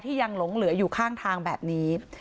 ยังหลงเหลืออยู่ข้างทางแบบนี้